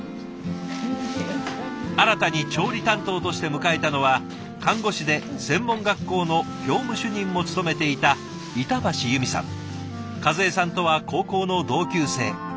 新たに調理担当として迎えたのは看護師で専門学校の教務主任も務めていた和江さんとは高校の同級生。